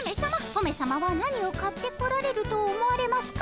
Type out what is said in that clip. トメさまは何を買ってこられると思われますか？